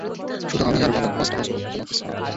শুধু আমি আর বাবা, পাঁচটা বছর, তোমাকে ছাড়া।